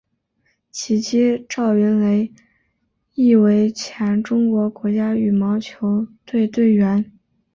其妻赵芸蕾亦为前中国国家羽毛球队队员。